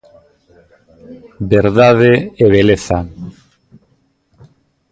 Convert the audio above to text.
Verdade e beleza..